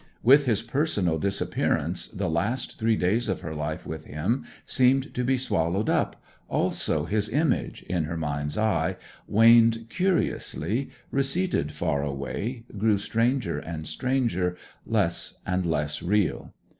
With his personal disappearance, the last three days of her life with him seemed to be swallowed up, also his image, in her mind's eye, waned curiously, receded far away, grew stranger and stranger, less and less real.